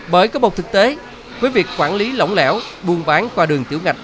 bởi có một thực tế với việc quản lý lỏng lẻo buôn bán qua đường tiểu ngạch